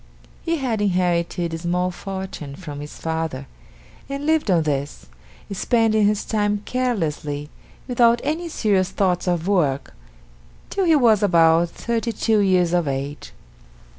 He had inherited a small fortune from his father and lived on this, spending his time carelessly, without any serious thoughts of work, till he was about thirty two years of age.